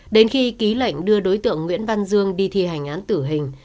đến khi ký lệnh đưa đối tượng nguyễn văn dương đi thi hành án tử hình